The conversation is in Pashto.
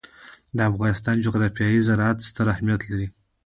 د افغانستان جغرافیه کې زراعت ستر اهمیت لري.